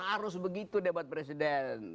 harus begitu debat presiden